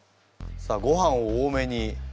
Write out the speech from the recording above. さあごはんを多めに。